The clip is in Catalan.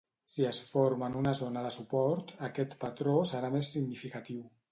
Si es forma en una zona de suport, aquest patró serà més significatiu.